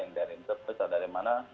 yang dari indonesia dari mana